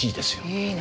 いいな。